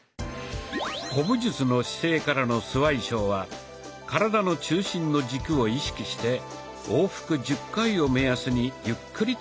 古武術の姿勢からのスワイショウは体の中心の軸を意識して往復１０回を目安にゆっくりと行いましょう。